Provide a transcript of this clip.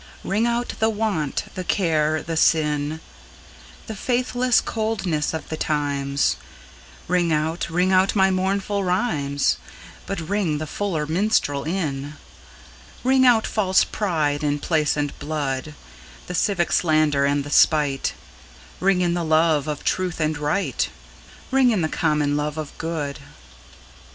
Ring out the want, the care the sin, The faithless coldness of the times; Ring out, ring out my mournful rhymes, But ring the fuller minstrel in. Ring out false pride in place and blood, The civic slander and the spite; Ring in the love of truth and right, Ring in the common love of good.